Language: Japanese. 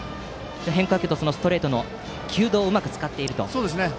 変化球とストレートの球道をうまく使っていると。